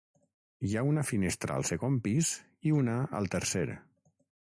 Hi ha una finestra al segon pis i una al tercer.